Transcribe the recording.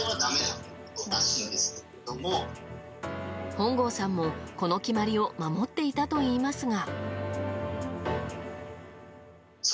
本郷さんも、この決まりを守っていたといいますが。